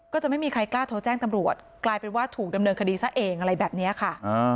ก็จะไม่มีใครกล้าโทรแจ้งตำรวจกลายเป็นว่าถูกดำเนินคดีซะเองอะไรแบบนี้ค่ะ